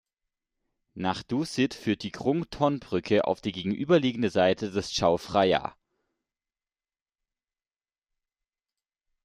Nach Dusit führt die Krung Thon-Brücke auf die gegenüberliegende Seite des Chao Phraya.